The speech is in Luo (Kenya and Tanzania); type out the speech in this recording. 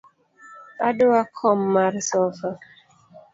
Adwa kom mar sofa